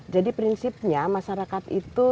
jadi prinsipnya masyarakat itu